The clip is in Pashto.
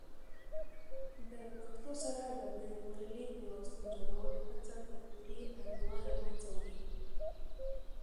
د پښتو سره د بینالمللي پیوستون جوړولو هڅه کلتوري انزوا له منځه وړي.